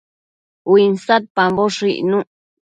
Uinsadpamboshë icnuc